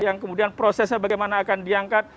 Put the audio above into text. yang kemudian prosesnya bagaimana akan diangkat